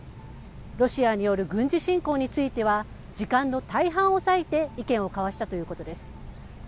ロシアによる軍事侵攻については、時間の大半を割いて意見を交わしたということです。